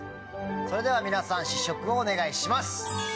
それでは皆さん試食をお願いします。